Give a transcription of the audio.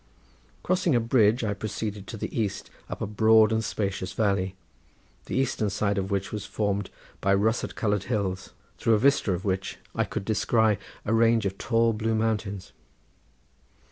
Crossing a bridge I proceeded to the east up a broad and spacious valley, the eastern side of which was formed by russet coloured hills, through a vista of which I could descry a range of tall blue mountains.